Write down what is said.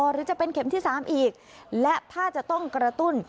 หรือจะเป็นเข็มที่๓อีกและถ้าจะต้องกระตุ้น